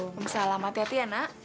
waalaikumsalam hati hati ya nak